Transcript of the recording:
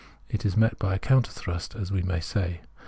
It is met by a counter thrust, as we may say.